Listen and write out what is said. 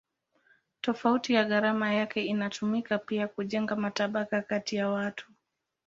Tofauti ya gharama yake inatumika pia kujenga matabaka kati ya watu.